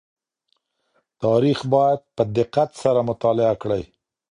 تاريخ بايد په دقت سره مطالعه کړئ.